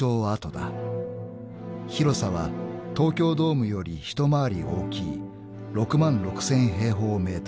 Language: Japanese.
［広さは東京ドームより一回り大きい６万６，０００平方ｍ］